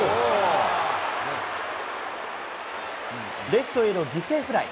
レフトへの犠牲フライ。